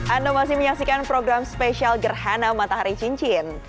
anda masih menyaksikan program spesial gerhana matahari cincin